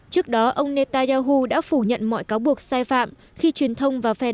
trước đó ông netanyahu đã phủ nhận mọi cáo buộc sai phạm khi truyền thông và phe đồng